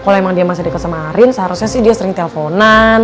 kalo emang dia masih deket sama arin seharusnya sih dia sering telfonan